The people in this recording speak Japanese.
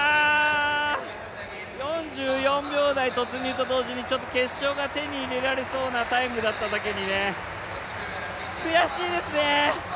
４４秒台突入と同時に決勝が手に入れられそうなタイムだっただけに、悔しいですね！